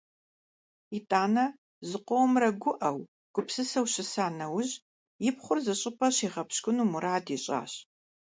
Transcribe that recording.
ИтӀанэ, зыкъомрэ гуӀэу, гупсысэу щыса нэужь, и пхъур зыщӀыпӀэ щигъэпщкӀуну мурад ищӀащ.